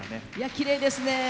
きれいですね。